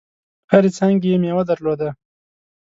هرې څانګي یې مېوه درلوده .